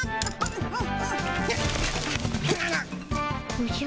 おじゃ？